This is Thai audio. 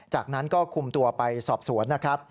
จากนั้นก็คุมตัวไปสอบสวนนะครับ